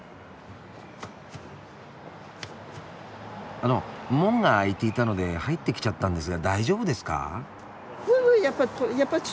あの門が開いていたので入ってきちゃったんですが大丈夫ですか？